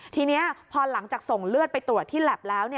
ทีนี้พอหลังจากส่งเลือดไปตรวจที่แล็บแล้ว